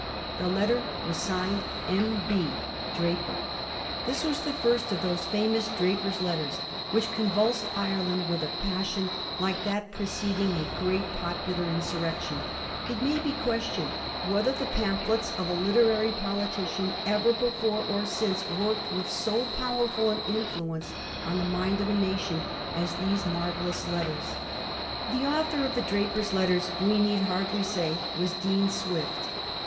The letter was signed * M. B., Drapier/ This was the first of those famous Drapier's Letters which convulsed Ireland with a passion like that preceding a great popular insurrection. It may be questioned whether tiie pamphlets of a literary politician ever before or since worked with so powerful an influence on the mind of a nation as these marvellous letters. The author of ^ The Drapier's Letters,' we need hardly say, was Dean Swift.